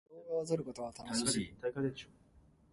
動画を撮ることは楽しい。